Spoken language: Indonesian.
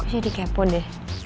gue jadi kepo deh